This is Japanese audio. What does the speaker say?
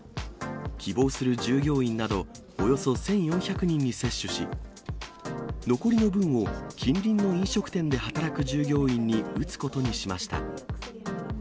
希望する従業員など、およそ１４００人に接種し、残りの分を近隣の飲食店で働く従業員に打つことにしました。